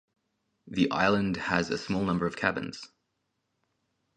The island has a small number of cabins.